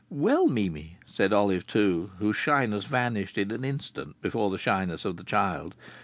"Well, Mimi," said Olive Two, whose shyness vanished in an instant before the shyness of the child.